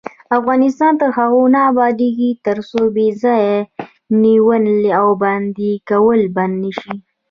افغانستان تر هغو نه ابادیږي، ترڅو بې ځایه نیول او بندي کول بند نشي.